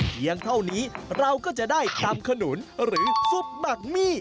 เพียงเท่านี้เราก็จะได้ตำขนุนหรือซุปหมักมี่